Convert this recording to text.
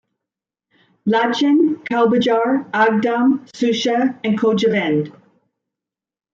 Lachin, Kalbajar, Agdam, Shusha and Khojavend.